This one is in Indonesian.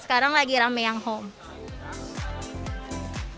sekarang lagi rame yang home